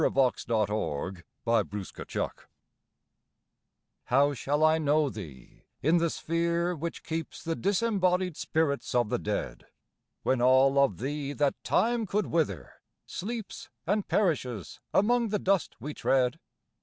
By William Cullen Bryant How shall I know thee in the sphere which keeps The disembodied spirits of the dead, When all of thee that time could wither sleeps And perishes among the dust we tread?